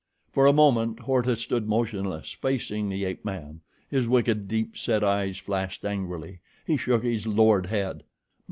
For a moment Horta stood motionless facing the ape man. His wicked, deep set eyes flashed angrily. He shook his lowered head.